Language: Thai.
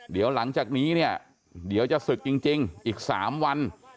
เดี๋ยวหลังจากนี้เนี่ยเดี๋ยวจะศึกจริงอีก๓วัน